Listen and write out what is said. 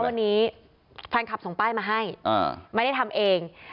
วันนี้แฟนคลับส่งป้ายมาให้ไม่ได้ทำเอง